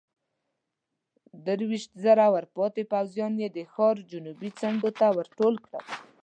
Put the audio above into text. درويشت زره ورپاتې پوځيان يې د ښار جنوبي څنډو ته ورټول کړل.